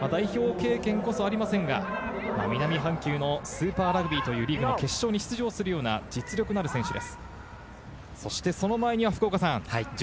代表経験こそありませんが、南半球のスーパーラグビーというリーグの決勝に出場するような実力のある選手です。